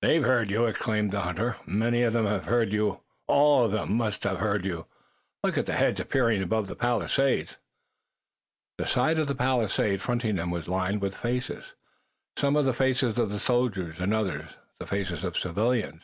"They've heard you!" exclaimed the hunter. "Many of them have heard you! All of them must have heard you! Look at the heads appearing above the palisade!" The side of the palisade fronting them was lined with faces, some the faces of soldiers and others the faces of civilians.